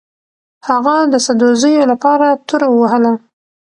هغه د سدوزیو لپاره توره ووهله.